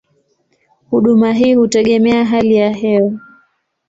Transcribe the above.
Huduma hii hutegemea hali ya hewa.